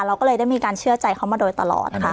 เราก็เลยได้มีการเชื่อใจเขามาโดยตลอดค่ะ